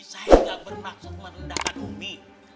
saya tidak bermaksud merendahkan umi